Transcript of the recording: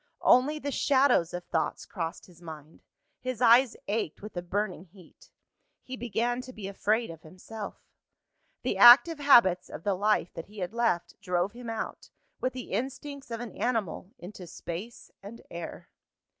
Only the shadows of thoughts crossed his mind; his eyes ached with a burning heat. He began to be afraid of himself. The active habits of the life that he had left, drove him out, with the instincts of an animal, into space and air.